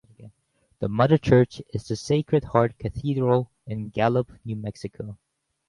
The mother church is the Sacred Heart Cathedral in Gallup, New Mexico.